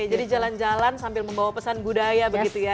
jadi jalan jalan sambil membawa pesan budaya begitu ya